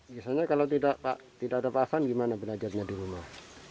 biasanya kalau tidak ada pak afan gimana belajarnya di rumah